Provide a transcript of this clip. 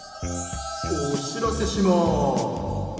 おしらせします。